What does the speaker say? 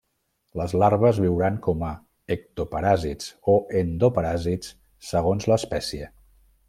Les larves viuran com a ectoparàsits o endoparàsits, segons l'espècie.